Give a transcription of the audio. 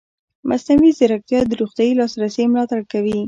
مصنوعي ځیرکتیا د روغتیايي لاسرسي ملاتړ کوي.